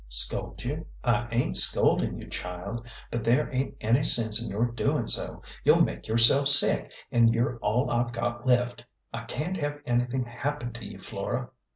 " Scold you ; I ain't scoldin' you, child ; but there ain't any sense in your doin' so. You'll make yourself sick, an' you're all I've got left. I can't have anything happen to you, Flora."